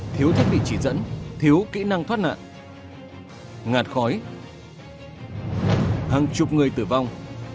thiếu thiết bị chỉ dẫn thiếu kỹ năng thoát nạn ngạt khói hàng chục người tử vong